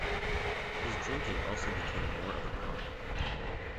His drinking also became more of a problem.